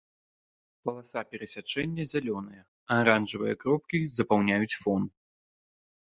Паласа перасячэння зялёная, а аранжавыя кропкі запаўняюць фон.